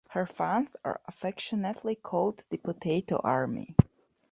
Her fans are affectionately called the Potato Army.